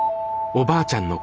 おばあちゃん。